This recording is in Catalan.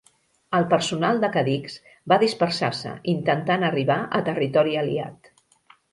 El personal de "Cadix" va dispersar-se, intentant arribar a territori aliat.